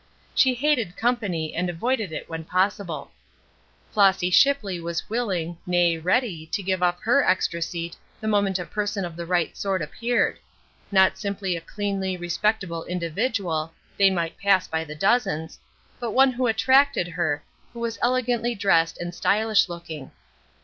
She hated company and avoided it when possible. Flossy Shipley was willing, nay, ready, to give up her extra seat the moment a person of the right sort appeared; not simply a cleanly, respectable individual they might pass by the dozens but one who attracted her, who was elegantly dressed and stylish looking.